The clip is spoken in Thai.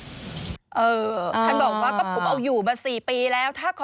พระเจ้าจะมาชุมนุมแจ้งการข่าวไว้ดีกันไหม